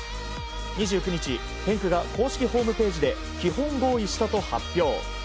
２９日、ヘンクが公式ホームページで基本合意したと発表。